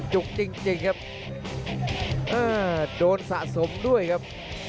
จริงจริงครับโดนสะสมด้วยครับ